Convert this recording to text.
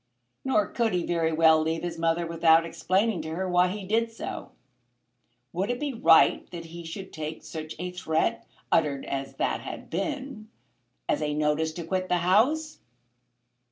Nor could he very well leave his mother without explaining to her why he did so. Would it be right that he should take such a threat, uttered as that had been, as a notice to quit the house?